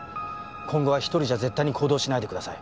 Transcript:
今後は１人じゃ絶対に行動しないでください。